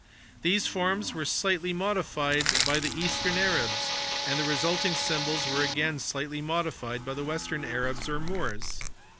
These forms wi iv slightly modified by the eastern Arabs, and the resulting symbols were again slightly modified by the western Arabs or Moors.